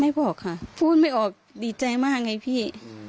บอกค่ะพูดไม่ออกดีใจมากไงพี่